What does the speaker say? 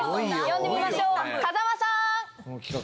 呼んでみましょう風間さん！